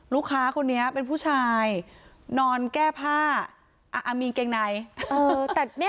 ลูกค้าคนนี้เป็นผู้ชายนอนแก้ผ้าอ่ะอ่ามีเกงในเออแต่นี่